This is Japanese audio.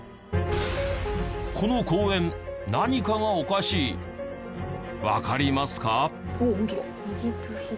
この公園何かがおかしいわかりますか？